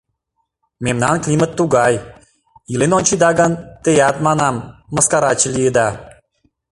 — Мемнан климат тугай, илен ончеда гын, теат, — манам, — мыскараче лийыда!